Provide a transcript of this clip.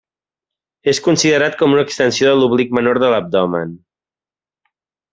És considerat com una extensió de l'oblic menor de l'abdomen.